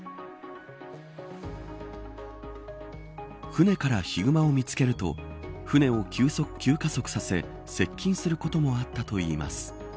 船からヒグマを見つけると船を急加速させ接近することもあったといいます。